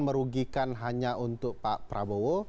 merugikan hanya untuk pak prabowo